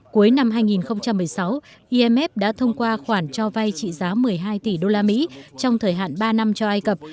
cuối năm hai nghìn một mươi sáu imf đã thông qua khoản cho vay trị giá một mươi hai tỷ usd trong thời hạn ba năm cho ai cập